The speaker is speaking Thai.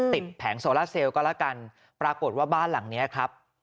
แผงโซล่าเซลก็แล้วกันปรากฏว่าบ้านหลังเนี้ยครับ